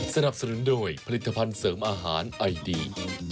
สนับสนุนโดยผลิตภัณฑ์เสริมอาหารไอดี